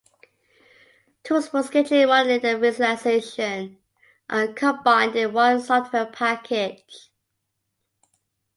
Tools for sketching, modeling and visualization are combined in one software package.